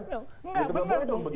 gak benar dong